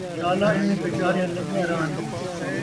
شالا اینویں کچاہریاں لڳیاں رہن